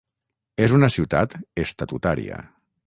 És una ciutat estatutària.